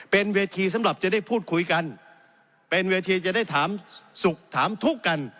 เป็นเวทีสำหรับจะได้พูดคุยกันเป็นเวทีจะได้ถามสุขถามทุกข์กัน